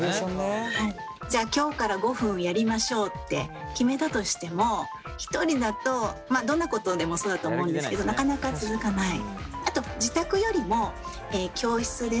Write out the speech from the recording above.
じゃあ今日から５分やりましょうって決めたとしても１人だとどんなことでもそうだと思うんですけどなかなか続かない。